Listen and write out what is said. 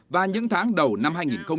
và những tháng đầu năm hai nghìn một mươi chín